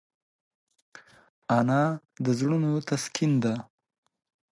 انا د زړونو تسکین ده